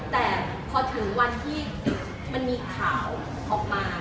แต่พอถึงวันที่มันมีข่าวออกมา